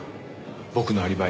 僕のアリバイ。